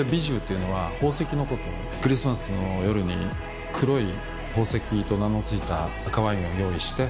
クリスマスの夜に「黒い宝石」と名の付いた赤ワインを用意して。